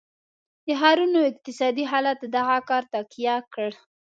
د ښارونو اقتصادي حالت دغه کار تقویه کړ.